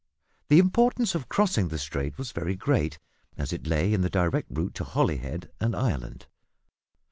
The importance of crossing the strait was very great, as it lay in the direct route to Holyhead and Ireland.